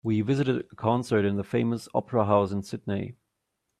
We visited a concert in the famous opera house in Sydney.